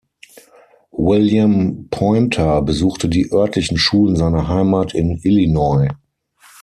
William Poynter besuchte die örtlichen Schulen seiner Heimat in Illinois.